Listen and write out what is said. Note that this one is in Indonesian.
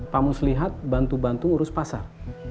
pak mus lihat bantu bantu ngurus pasar